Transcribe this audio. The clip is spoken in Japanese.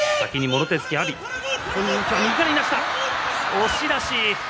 押し出し。